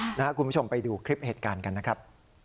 คุณผู้ชมไปดูคลิปเหตุการณ์กันนะครับ